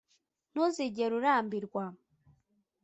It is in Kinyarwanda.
ntuzigera urambirwa.